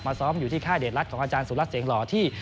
ซ้อมอยู่ที่ค่ายเดชรัฐของอาจารย์สุรัสตเสียงหล่อที่